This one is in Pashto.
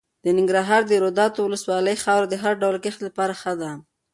د ننګرهار د روداتو ولسوالۍ خاوره د هر ډول کښت لپاره ښه ده.